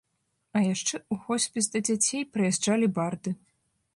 А яшчэ ў хоспіс да дзяцей прыязджалі барды.